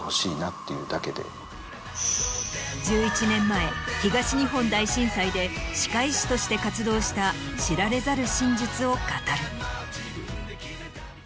１１年前東日本大震災で歯科医師として活動した知られざる真実を語る。